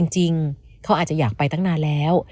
จริงเขาอาจจะอยากไปตั้งนานแล้ว